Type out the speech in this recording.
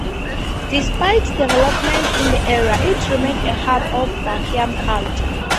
Despite development in the area, it remains a hub of Bahian culture.